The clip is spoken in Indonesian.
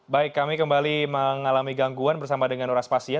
baik kami kembali mengalami gangguan bersama dengan nuraspasia